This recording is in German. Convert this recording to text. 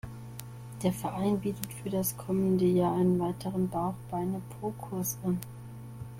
Der Verein bietet für das kommende Jahr einen weiteren Bauch-Beine-Po-Kurs an.